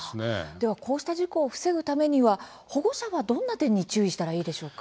では、こうした事故を防ぐためには保護者が、どんな点に注意したらいいでしょうか？